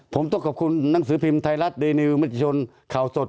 ผมต้องขอบคุณหนังสือพิมพ์ไทยรัฐเดนิวมัชชนข่าวสด